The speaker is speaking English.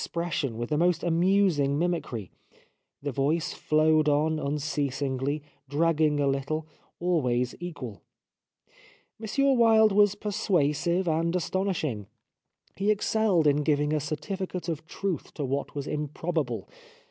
The Life of Oscar Wilde pression with the most amusing mimicry, the voice flowed on unceasingly, dragging a httle, always equal. " M. Wilde was persuasive and astonishing. He excelled in giving a certificate of truth to what was improbable.